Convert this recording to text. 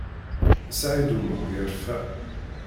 Saɛid U Muḥ yerfa.